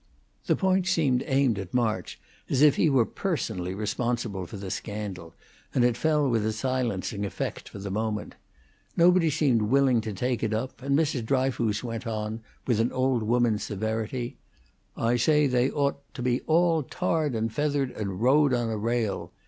The point seemed aimed at March, as if he were personally responsible for the scandal, and it fell with a silencing effect for the moment. Nobody seemed willing to take it up, and Mrs. Dryfoos went on, with an old woman's severity: "I say they ought to be all tarred and feathered and rode on a rail.